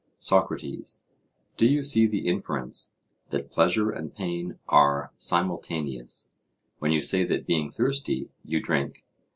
SOCRATES: Do you see the inference:—that pleasure and pain are simultaneous, when you say that being thirsty, you drink?